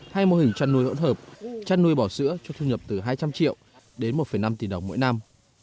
hai mô hình chăn nuôi hỗn hợp chăn nuôi bò sữa cho thu nhập từ hai trăm linh triệu đến một năm tỷ đồng mỗi năm